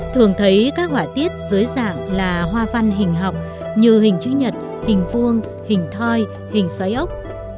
thường thấy các họa tiết dưới dạng là hoa văn hình học như hình chữ nhật hình vuông hình thoi hình xoái ốc